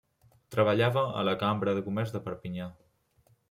Treballava a la Cambra de Comerç de Perpinyà.